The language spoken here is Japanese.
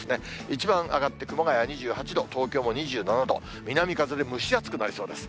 一番上がって、熊谷２８度、東京も２７度、南風で蒸し暑くなりそうです。